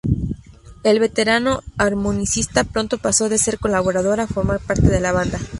El veterano armonicista pronto pasó de ser colaborador a formar parte de la banda.